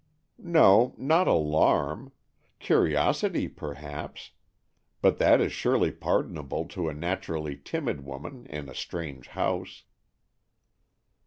"No, not alarm. Curiosity, perhaps, but that is surely pardonable to a naturally timid woman in a strange house."